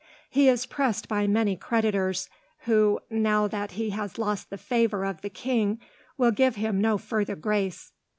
He is pressed by many creditors, who, now that he has lost the favour of the king, will give him no further grace.